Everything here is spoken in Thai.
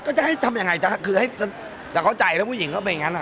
ก็จะให้ทำยังไงคือจะเข้าใจแล้วผู้หญิงก็ไม่งั้นอะ